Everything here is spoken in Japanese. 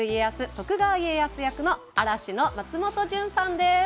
徳川家康役の嵐の松本潤さんです。